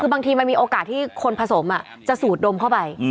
คือบางทีมันมีโอกาสที่คนผสมจะสูดดมเข้าไป